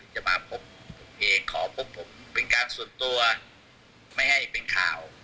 จะมาพบผมเองขอพบผมเป็นการส่วนตัวไม่ให้เป็นข่าว